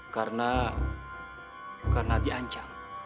karena karena diancam